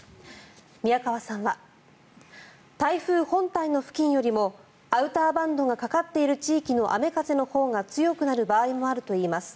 宮川さんは台風本体の付近よりもアウターバンドがかかっている地域の雨風のほうが強くなる場合もあるといいます。